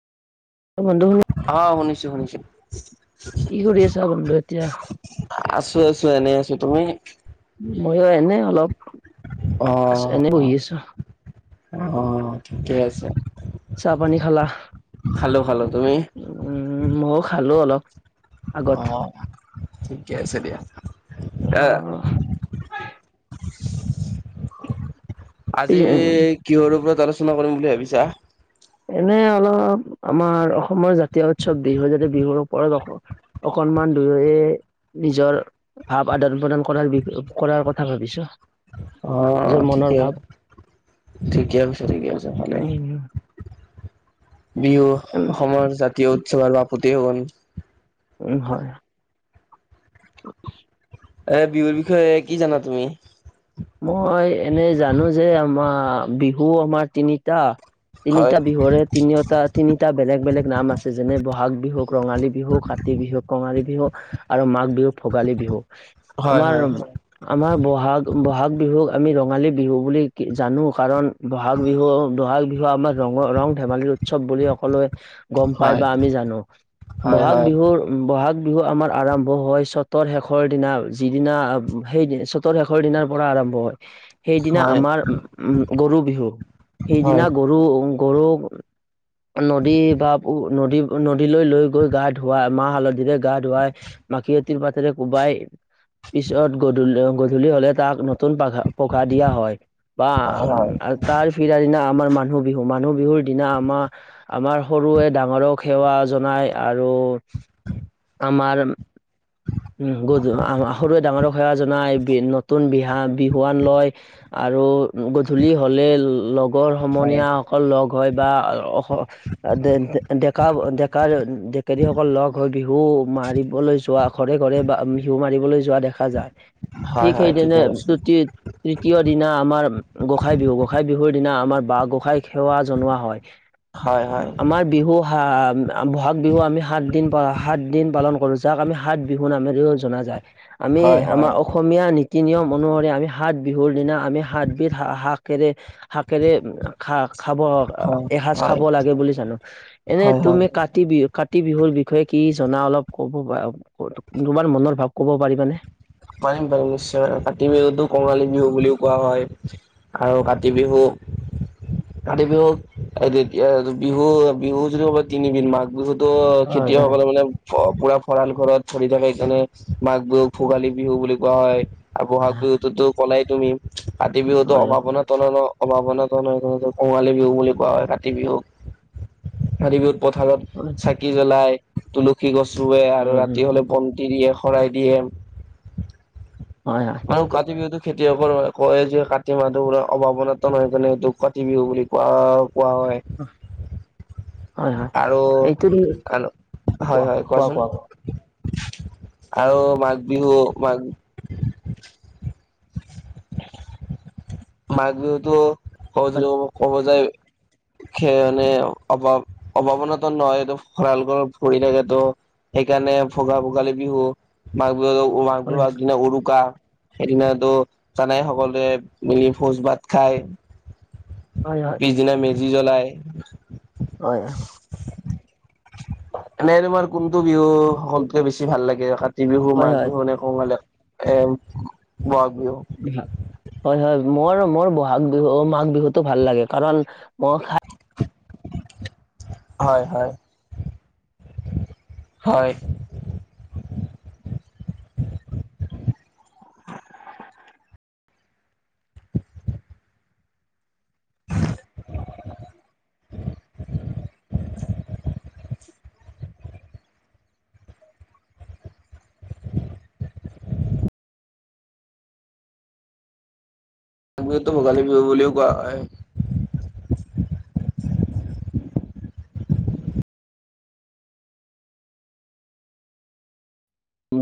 অ বন্ধু শুন অ শুনিছো শুনিছো কি কৰি আছা বন্ধো এতিয়া আছো আছো এনেই আছো তুমি মইো এনে অলপ অ আ এনে অ বহি আছো অ ঠিকেই আছে খালো খালো তুমি উ ময়ো খালো অলপ আগত অ থঠিকেছে দয়া অ এ [inaudible] আজি পিছে কিহৰ ওপৰত আলোচনা কৰিম বুলি ভাবিছা এনে অলপ আমাৰ অসমৰ জাতীয় উৎসৱ বিহু যাতে বিহুৰ ওপৰত অ অ সন্মান দুয়ে নিজৰ ভাৱ আদান প্ৰদান কৰাৰ বি কৰাৰ কথা ভাবিছো অ নিজৰ মনৰ ঠিকে ভাৱ ঠিকে কছে ঠিকেছে ভালে উম বিহু উম অসমৰ জাতীয় উৎসৱৰপতি সুগন উম হয় এ বিহুৰ বিষয়ে কি জানা তুমি মই এনে জানো যে আমাৰ বিহু আমাৰ তিনিটা হয় তিনিটা বিহুৰে তিনিওটা তিনিটা বেলেগ বেলেগ নাম আছে যেনে ব'হাগ বিহ বিহুক ৰঙালী বিহু কাতি বিহুক কঙালী বিহু আৰু মাঘ বিহুক ভোগালী বিহু হয় আমাৰ হয় আমাৰ বহাগ ব'হাগ বিহুক আমি ৰঙালী বিহু বুলি জানো কাৰণ বহাগ বিহু বহাগ বিহু আমাৰ ৰঙ ৰং ধেমালিৰ উৎসৱ বুলি সকলোৱে গম পায় বা আমি জানো হয় বহাগ হয় বিহুৰ বহাগ বি বিহু আমাৰ আৰম্ভ হয় চতৰ শেষৰ দিনা যিদিনা সেইদিনা চতৰ শেষৰ ঘৰ দিনাৰ পৰা আৰম্ভ হয় সেইদিনা হয় আমাৰ উম গৰু বিহু হয় হয় সেইদিনা গৰু গৰুক [inaudible] নদী বা উ নদী নদীলৈ লৈ গৈ গা ধোৱাাই মাহ হালধিৰে গা ধুৱাই মাখিয়তীৰ পাতেৰে কোবাই পিছত গ গধূলি হলে তাক নতুন পা পখা দিয়া হয় বা হয় তাৰ ফিৰদি দিনা আমাৰ মানুহ বিহু মানুহ বিহুৰ দিনা আমাৰ আমাৰ সৰুৱে ডাঙৰক সেৱা জনাই আৰু ত' আমাৰ উ গ সৰুৱে ডাঙৰক সেৱা জনাই বি নতুন বিহা বিহুৱান লয় আৰু গধূলি হ'লে লগৰ হয় হয় সমনীয়াসকল লগ হয় বা ডেকা ডেকাৰ ডেকীসকল লগ হৈ বিহু মাৰিবলৈ যোৱা ঘৰে ঘৰে বা ঘিউু মাৰিবলৈ যোৱা দেখা যায়। হয় ঠিক হয় ঠিকে সেইদিনে ত কৈছা তৃতীয় দিনা আমাৰ গোসাই বিহু গোঁসাই বিহুৰ দিনা আমাৰ বাঁ গোসাই সেৱা জনোৱা হয় হয় হয় আমাৰ বিহু হ ব'হাগ বিহু আমি সাত দিন প সাতদিন পালন কৰোঁ যাক আমি সাত বিহু নামেৰেও জনা যায়। আমি হয় হয় আমাৰ অসমীয়া ন কি নিয়ম অনুসৰি আমি সাত বিহুৰ দিনা আমি সাতবিধ হাক কেৰে শাকেৰে খা খাব হয় এসজ হয় খাব লাগে বুলি জানো এনে হয় হয় তুমি কাতি বিহুত কাতি বিহুৰ বিষয়ে কি জনা অলপ কব তোমাৰ মনৰ ভাৱ ক'ব পাৰিবানে। পাৰিম পাৰিম নিশ্চয় মে কাতি বিহুতো কঙালী বিহু বুলিও কোৱা হয় আৰু কাতি বি বিহু আতি বিহুকতিয়া বিহু বিহু যদি কব তিনিবিন মাঘ বিহুত ত হয় খেতিয়কসকলে মানে পুৰা ভঁৰাল ঘৰত চৰি থাকে সেইকাৰণে মাঘ বিহু ভোগালী বিহু বুলি কোৱা হয়। আৰু ব'হাগ বিহুতটোতো ক'লাই তুমি কাতি বিহুতো হয় অভাৱনা তুলন সম্ভাৱনাাত নহয় কঙালী বিহু বুলি কোৱা হয় কাতি বিহুক কাতি বিহুত পথাৰত হয় চাকি জ্বলাই তুলসী গছ ৰুৱে আৰু উম ৰাতি উম হ'লে বন দিয়ে শৰাই দিয়ে। হয় হয় আৰুাৰ কতি বি খেতিয়কৰ কয় যে কাতি মাহটো পৰা অভাৱনাত নহয় কাৰণে এইেইটো কাতি বিহু বুলি কোৱা। ায় হয় হয় আৰু এইটো ক কোৱা হয়, হয়, কোৱা কোৱা কোৱাচোন? কোৱা আৰু মাঘ বিহু মাঘ মাঘ বিহুতটো কজ হয় ক'ব ক'ব য মানে অভাৱ অভাৱনাো নহয় এইটো ভৰাল ভৰি থাক তো সেইকাৰণে মানে ভোগাল ভোগালী বিহু মাঘ বিহুত মাঘ হয় বিহুৰ আ দিনা উৰুকা সেইদিনাতো জানাই সকলোৱে মিলি ভোজ ভাত খায়। হয় হয় পিছদিনা মেজি জ্বলাই। হয়। এনেই তোমাৰ কোনটো বিহু সকলতকে বেছি ভাল লাগে ৰখাত। কাতি বিহু হয় মাঘ হয় বিহুনে কালে এ ব হয়, হয়, মই মোৰ বহাগ বিহু মাঘ বিহুতটো ভাল লাগে কাৰণ মই খাই হয়, হয়। হয়। [inaudible] আমটো ভোগালী বিহ বুলিও কোৱা হয়।